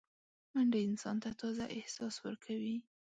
منډه انسان ته تازه احساس ورکوي